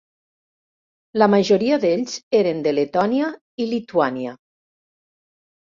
La majoria d'ells eren de Letònia i Lituània.